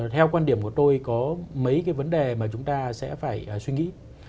theo quan điểm của tôi có mấy cái vấn đề mà chúng ta sẽ phải suy nghĩ